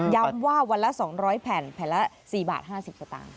ว่าวันละ๒๐๐แผ่นแผ่นละ๔บาท๕๐สตางค์